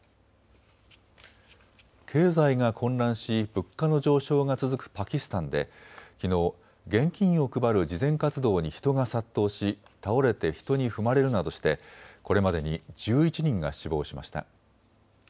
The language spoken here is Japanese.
経済が混乱し物価の上昇が続くパキスタンできのう現金を配る慈善活動に人が殺到し倒れて人に踏まれるなどしてこれまでに１１人が死亡しました。